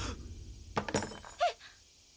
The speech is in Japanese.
「えっ？」